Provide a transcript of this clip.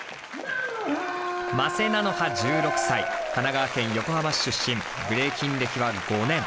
間瀬なのは１６歳神奈川県横浜市出身ブレイキン歴は５年。